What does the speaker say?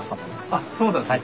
あっそうなんですか。